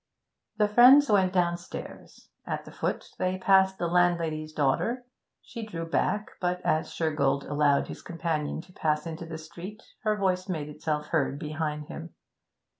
The friends went downstairs. At the foot they passed the landlady's daughter: she drew back, but, as Shergold allowed his companion to pass into the street, her voice made itself heard behind him.